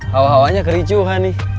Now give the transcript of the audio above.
hawa hawanya kericuhan nih